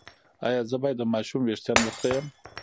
ایا زه باید د ماشوم ویښتان وخرییم؟